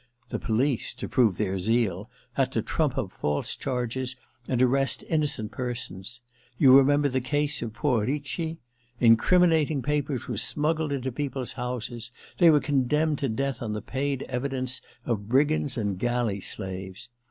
The police, to prove their zeal, had to trump up false charges and arrest innocent persons — you remember the case of poor Ricci ? Incriminating papers were smuggled into people's houses — ^they were con demned to death on the paid evidence of brigands and galley slaves.